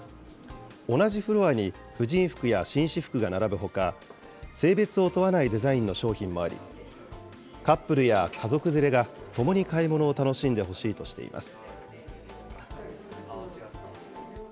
同じフロアに婦人服や紳士服が並ぶほか、性別を問わないデザインの商品もあり、カップルや家族連れが共に買い物を楽しんでほしいとしています。